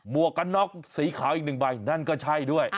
วกกันน็อกสีขาวอีกหนึ่งใบนั่นก็ใช่ด้วย